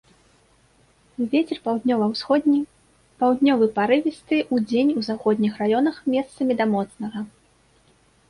Вецер паўднёва-ўсходні, паўднёвы парывісты, удзень у заходніх раёнах месцамі да моцнага.